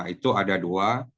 itu ada dua